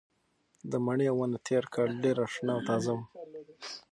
د مڼې ونه تېر کال ډېره شنه او تازه وه.